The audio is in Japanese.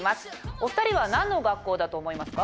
お２人は何の学校だと思いますか？